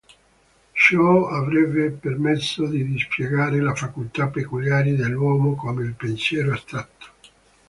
Ciò avrebbe permesso di dispiegare le facoltà peculiari dell'uomo, come il pensiero astratto.